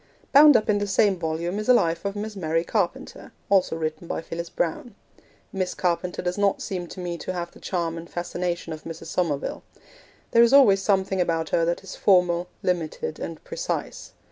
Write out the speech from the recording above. Bound up in the same volume is a Life of Miss Mary Carpenter, also written by Phyllis Browne. Miss Carpenter does not seem to me to have the charm and fascination of Mrs. Somerville. There is always something about her that is formal, limited, and precise.